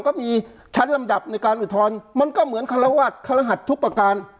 ก็มีชั้นลำดับในการอุทธรณ์มันก็เหมือนคารวาสครหัสทุกประการ